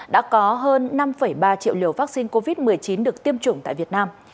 đã có hơn năm ba triệu liều vaccine covid một mươi chín được tiêm chủng tại việt nam